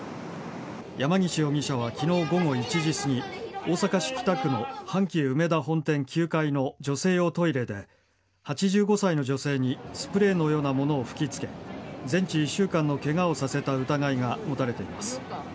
山岸容疑者は昨日午後１時すぎ大阪市北区の阪急うめだ本店９階の女性用トイレで８５歳の女性にスプレーのようなものを吹き付け全治１週間のケガをさせた疑いが持たれています。